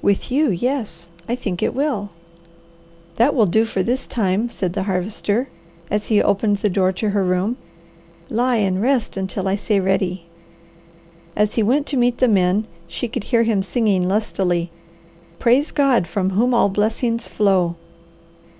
"With you, yes, I think it will." "That will do for this time," said the Harvester, as he opened the door to her room. "Lie and rest until I say ready." As he went to meet the men, she could hear him singing lustily, "Praise God from whom all blessings flow."